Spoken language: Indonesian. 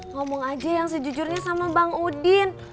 ngomong aja yang sejujurnya sama bang udin